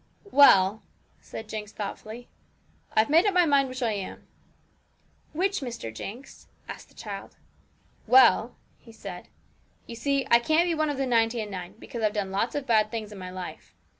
'Well,' said Jinx thoughtfully, 'I've made up my mind which I am.' 'Which, Mr. Jinx?' asked the child. 'Well,' he said, 'you see I can't be one of the ninety and nine, because I've done lots of bad things in my life.